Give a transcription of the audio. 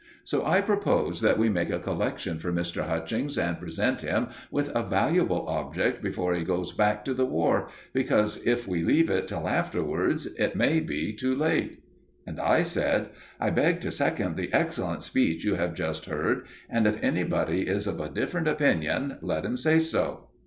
So I propose that we make a collection for Mr. Hutchings and present him with a valuable object before he goes back to the War, because, if we leave it till afterwards, it may be too late." And I said: "I beg to second the excellent speech we have just heard, and if anybody is of a different opinion, let him say so."